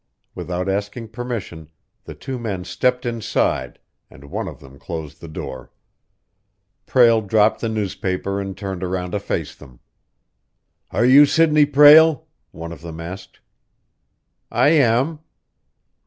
Without asking permission, the two men stepped inside, and one of them closed the door. Prale dropped the newspaper and turned around to face them. "Are you Sidney Prale?" one of them asked. "I am."